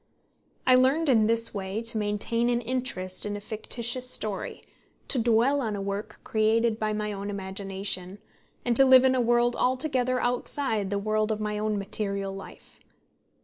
I learned in this way to maintain an interest in a fictitious story, to dwell on a work created by my own imagination, and to live in a world altogether outside the world of my own material life.